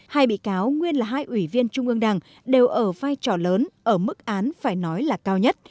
hai bị cáo nguyên là hai ủy viên trung ương đảng đều ở vai trò lớn ở mức án phải nói là cao nhất